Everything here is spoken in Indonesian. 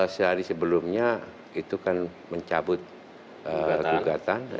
sehari sebelumnya itu kan mencabut gugatan